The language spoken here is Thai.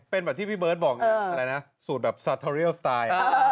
เป็นแบบที่พี่เบิร์ตบอกสูตรแบบสัตว์เทอร์เรียลสไตล์